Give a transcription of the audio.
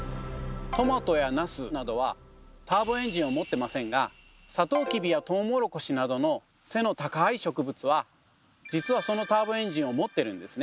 トマトやナスなどはターボエンジンを持ってませんがサトウキビやトウモロコシなどの背の高い植物はじつはそのターボエンジンを持ってるんですね。